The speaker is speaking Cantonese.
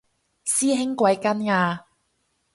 師兄貴庚啊